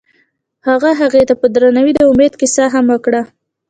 هغه هغې ته په درناوي د امید کیسه هم وکړه.